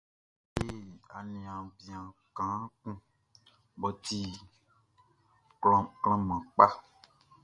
A le aniaan bian kaan kun mʼɔ ti klanman kpaʼn.